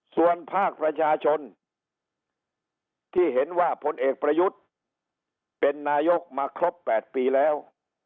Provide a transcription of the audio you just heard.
ส่วนภาคประชาชนที่เห็นว่าพลเอกประยุทธ์เป็นนายกมาครบ๘ปีแล้ว